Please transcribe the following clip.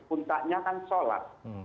puntahnya kan sholat